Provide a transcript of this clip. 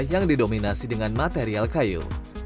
yang didominasi dengan material kayu